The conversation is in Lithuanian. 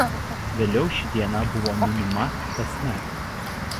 Vėliau ši diena buvo minima kasmet.